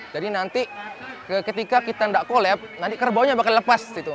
jadi nanti ketika kita tidak collab nanti kerbaunya akan lepas